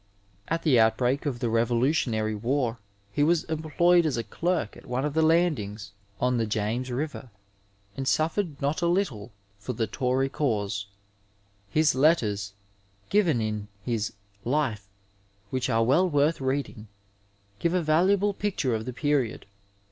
At the outbreak of the Revolutionary War he was employed as a clerk at one of the landings on 316 Digitized by VjOOQiC MEDICAL BIBLIOGRAPHY the James River, and sulfeied not a little for the Tory caoBe. His letters, given in his Life, which are well worth reading, give a valuable picture of the period.